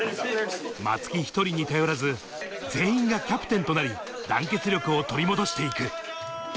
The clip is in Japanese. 松木１人に頼らず、全員がキャプテンとなり、団結力を取り戻していく。